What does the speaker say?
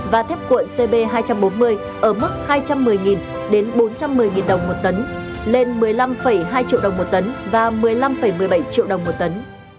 và thép cuộn cb hai trăm bốn mươi ở mức hai trăm một mươi đến bốn trăm một mươi đồng một tấn lên một mươi năm hai triệu đồng một tấn và một mươi năm một mươi bảy triệu đồng một tấn